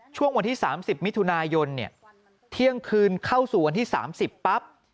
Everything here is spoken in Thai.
ช่วงวันที่๓๐มิถุนายนเนี่ยเที่ยงคืนเข้าสู่วันที่๓๐ปั๊บ